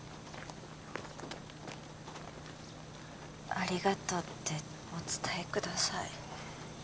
ありがとうってお伝えください